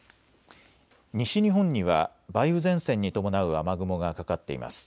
西日本には梅雨前線に伴う雨雲がかかっています。